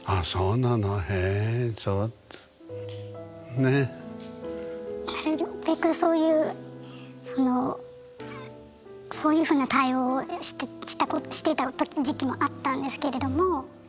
なるべくそういうそのそういうふうな対応をしてた時期もあったんですけれども。